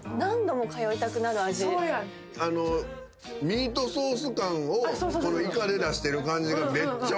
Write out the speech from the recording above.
ミートソース感をイカで出してる感じがめっちゃ分かる。